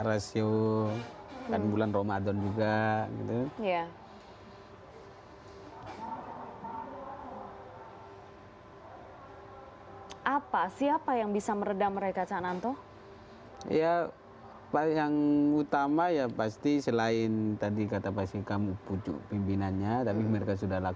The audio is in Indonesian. ada beberapa titik api yang dapat anda saksikan di layar kaca